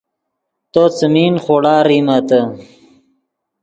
تو څیمین خوڑا ریمیتے